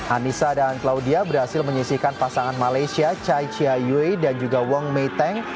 anissa dan claudia berhasil menyisihkan pasangan malaysia chai chia yue dan juga wong mei teng